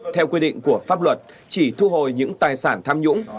theo quy định của pháp luật chỉ thu hồi những tài sản tham nhũng